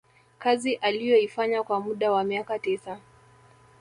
kazi aliyoifanya kwa muda wa miaka tisa